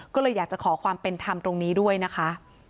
ก็เลยอยากจะขอความเป็นธรรมตรงนี้ด้วยนะคะ